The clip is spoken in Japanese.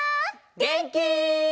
げんき？